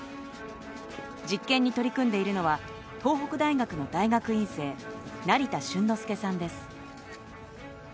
実験に取り組んでいるのは東北大学の大学院生成田峻之輔さんです。